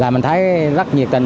mình thấy rất nhiệt tình